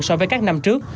so với các năm trước